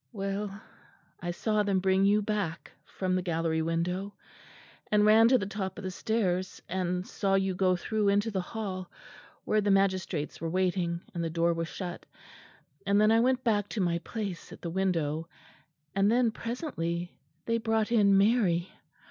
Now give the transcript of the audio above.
"Well, I saw them bring you back, from the gallery window and ran to the top of the stairs and saw you go through into the hall where the magistrates were waiting, and the door was shut; and then I went back to my place at the window and then presently they brought in Mary.